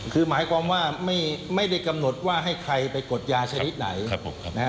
คือหมายความว่าไม่ได้กำหนดว่าให้ใครไปกดยาชนิดไหน